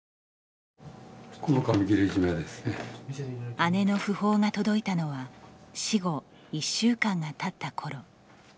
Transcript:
姉の訃報が届いたのは死後１週間がたったころ。